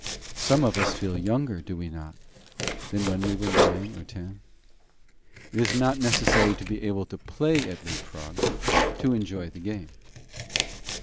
Some of us feel younger, do we not, than when we were nine or ten? It is not necessary to be able to play at leapfrog to enjoy the game.